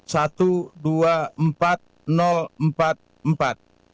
satu dua ratus empat puluh empat puluh empat suara